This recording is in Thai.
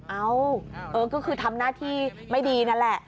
เอ้าก็คือทำหน้าที่ไม่ดีนั่นแหละ